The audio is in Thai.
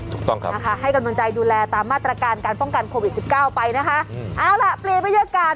ถูกต้องครับนะคะให้กำลังใจดูแลตามมาตรการการป้องกันโควิดสิบเก้าไปนะคะเอาล่ะเปลี่ยนบรรยากาศ